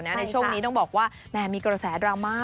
ในช่วงนี้ต้องบอกว่าแหมมีกระแสดราม่า